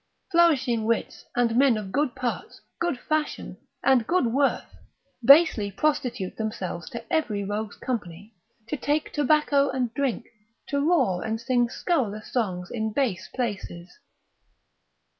Flourishing wits, and men of good parts, good fashion, and good worth, basely prostitute themselves to every rogue's company, to take tobacco and drink, to roar and sing scurrilous songs in base places.